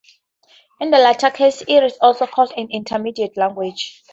In the latter case it is also called an "intermediate language".